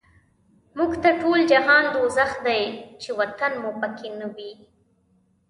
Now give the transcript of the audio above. موږ ته ټول جهان دوزخ دی، چی وطن مو په کی نه وی